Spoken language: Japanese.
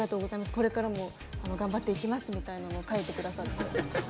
これからも頑張っていきますみたいなのを書いてくださって。